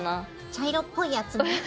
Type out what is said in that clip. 茶色っぽいやつね。